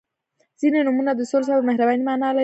• ځینې نومونه د سولې، صبر او مهربانۍ معنا لري.